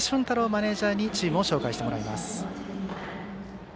マネジャーにチームを紹介してもらいます。